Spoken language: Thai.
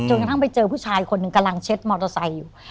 กระทั่งไปเจอผู้ชายคนหนึ่งกำลังเช็ดมอเตอร์ไซค์อยู่